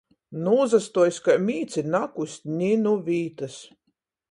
Nūsastuojs kai mīts i nakust ni nu vītys!